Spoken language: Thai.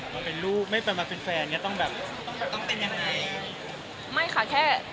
ถ้าเป็นลูกไม่เป็นแฟนต้องเป็นอย่างไร